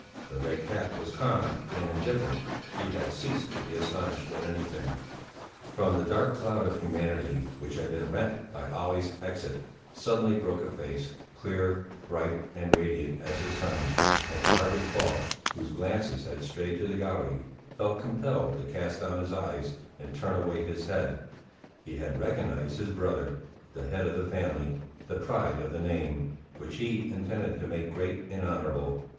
The Red Cap was calm and indifferent; he had ceased to be astonished at anything. From the dark cloud of humanity which had been rent by Olle's exit, suddenly broke a face, clear, bright and radiant as the sun, and Arvid Falk, whose glances had strayed to the gallery, felt compelled to cast down his eyes and turn away his head he had recognized his brother, the head of the family, the pride of the name, which he intended to make great and honourable.